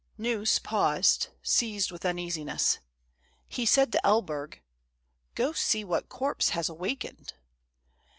Gneuss paused, seized with uneasiness. He said to El berg :" Go see what corpse has awakened."